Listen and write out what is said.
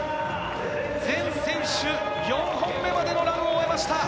全選手４本目までのランを終えました。